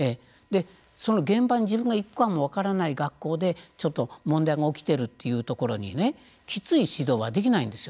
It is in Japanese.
その現場に自分が行くかも分からない学校でちょっと問題が起きているというところにきつい指導はできないんですよ。